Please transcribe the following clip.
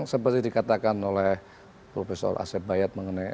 yang seperti dikatakan oleh prof asyid bayat mengenai